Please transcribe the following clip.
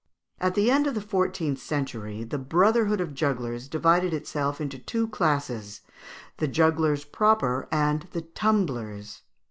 ] At the end of the fourteenth century the brotherhood of jugglers divided itself into two distinct classes, the jugglers proper and the tumblers.